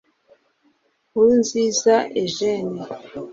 Nkurunziza Eugene